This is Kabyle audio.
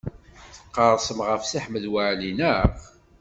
Tqerrsem ɣef Si Ḥmed Waɛli, naɣ?